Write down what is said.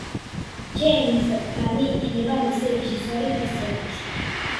ჯეიმზ განი იქნება მისი რეჟისორი და სცენარისტი.